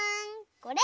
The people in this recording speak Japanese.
これ！